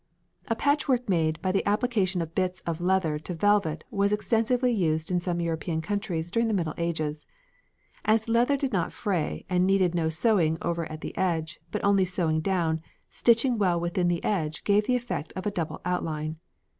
A patchwork made by the application of bits of leather to velvet was extensively used in some European countries during the Middle Ages. As leather did not fray and needed no sewing over at the edge, but only sewing down, stitching well within the edge gave the effect of a double outline.